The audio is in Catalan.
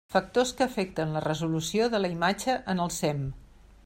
Factors que afecten la resolució de la imatge en el SEM.